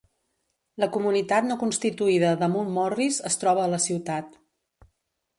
La comunitat no constituïda de Mount Morris es troba a la ciutat.